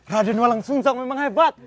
raden walang suncak memang hebat